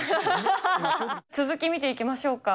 続き、見ていきましょうか。